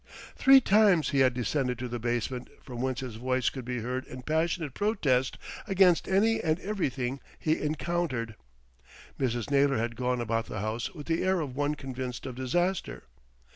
Three times he had descended to the basement, from whence his voice could be heard in passionate protest against any and every thing he encountered. Mrs. Naylor had gone about the house with the air of one convinced of disaster.